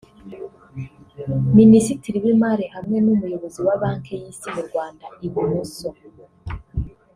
Ministiri w’Imari hamwe n’Umuyobozi wa Banki y’Isi mu Rwanda (ibumoso)